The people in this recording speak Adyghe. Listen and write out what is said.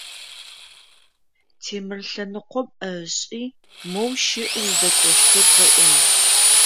Темыр лъэныкъом ӏэ ышӏи, - моу щыӏ уздэкӏощтыр, - ыӏуагъ.